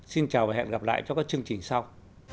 xin chào và hẹn gặp lại cho các chương trình sau